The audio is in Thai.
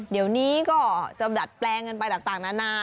เดี๋ยวนี้ก็จะดัดแปลงกันไปต่างนานา